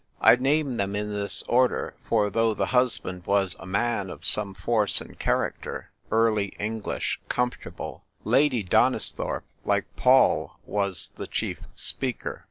I name them in this order, for though the husband was a man of some force and character — early English, comfortable — Lady Donis thorpe, like Paul, was the chief speaker.